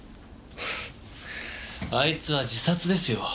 あいつは自殺ですよ。